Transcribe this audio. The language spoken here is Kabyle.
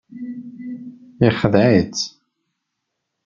Yexdeɛ-itt.